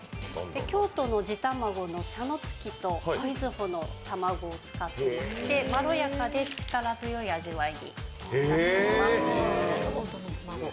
京都の地卵の茶乃月と瑞穂の卵を使っていまして、まろやかで力強い味わいになっています。